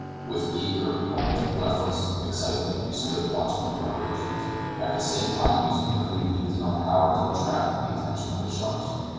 With eager, almost breathless, excitement we stood watching the preparations, at the same time using every means in our power to attract the attention of the sharks.